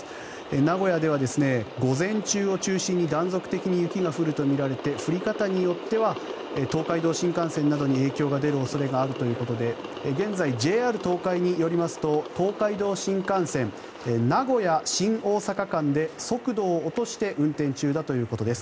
名古屋では午前中を中心に断続的に雪が降るとみられて降り方によっては東海道新幹線などに影響が出る恐れがあるということで現在、ＪＲ東海によりますと東海道新幹線名古屋新大阪間で速度を落として運転中だということです。